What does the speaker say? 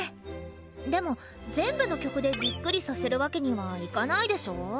でも全部の曲でびっくりさせるわけにはいかないでしょ。